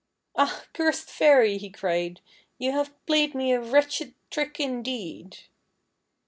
"Ah! cursed fairy," he cried, "you have played me a wretched trick, indeed